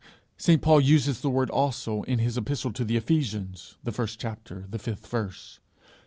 St. Paul uses the word also in his epistle to the Ephesians, the first chapter, the fifth verse.